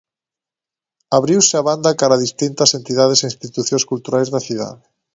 Abriuse a banda cara a distintas entidades e institucións culturais da cidade.